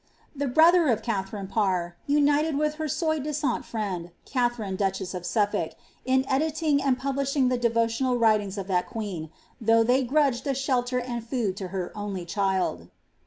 The brother of Katharine Parr, ted with her soi ^isarU friend, Katharine, duchess of Suffolk, in edit and publishing the devotional writings of that queen, though they dged a shelter and food to her only child.